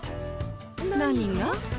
何が？